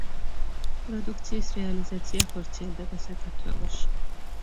პროდუქციის რეალიზაცია ხორციელდება საქართველოში.